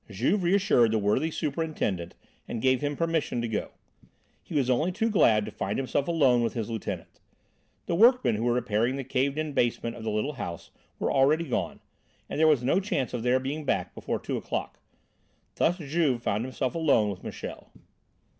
Juve reassured the worthy superintendent and gave him permission to go. He was only too glad to find himself alone with his lieutenant. The workmen who were repairing the caved in basement of the little house were already gone, and there was no chance of their being back before two o'clock. Thus Juve found himself alone with Michel.